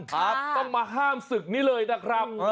ครับต้องมาห้ามศึกนี้เลยนะครับ